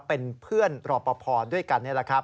เป็นเพื่อนรอปภด้วยกัน